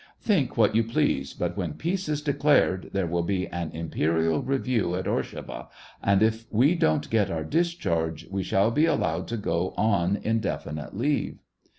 " Think what you please, but when peace is declared, there will be an imperial review at Orshava, and if we don't get our discharge, we shall be allowed to go on indefinite leave."